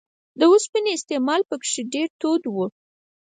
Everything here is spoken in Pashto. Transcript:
د اوسپنې استعمال په کې ډېر دود و